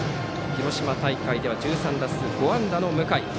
広島大会では１３打数５安打の向井。